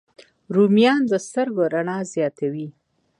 رومیان د سترګو رڼا زیاتوي